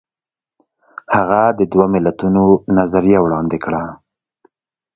هغه د دوه ملتونو نظریه وړاندې کړه.